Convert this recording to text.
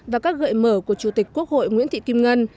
và các gợi mở của chủ tịch quốc hội nguyễn thị kim ngân